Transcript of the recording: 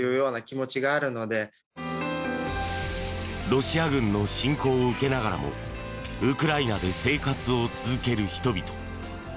ロシア軍の侵攻を受けながらもウクライナで生活を続ける人々。